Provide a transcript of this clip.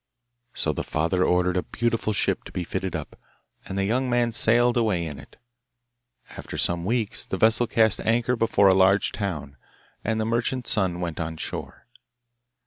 So the father ordered a beautiful ship to be fitted up, and the young man sailed away in it. After some weeks the vessel cast anchor before a large town, and the merchant's son went on shore.